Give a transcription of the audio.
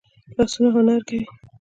لاسونه هنر کوي